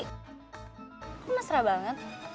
kok mesra banget